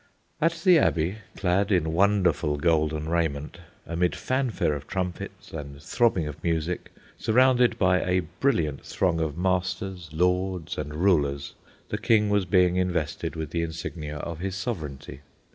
At the Abbey, clad in wonderful golden raiment, amid fanfare of trumpets and throbbing of music, surrounded by a brilliant throng of masters, lords, and rulers, the King was being invested with the insignia of his sovereignty.